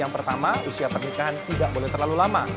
yang pertama usia pernikahan tidak boleh terlalu lama